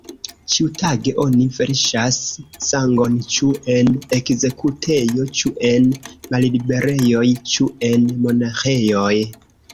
Ĉiutage oni verŝas sangon ĉu en ekzekutejo, ĉu en malliberejoj, ĉu en monaĥejoj.